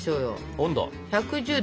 温度？